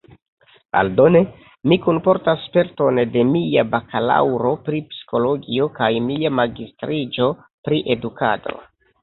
Aldone, mi kunportas sperton de mia bakalaŭro pri psikologio kaj mia magistriĝo pri edukado.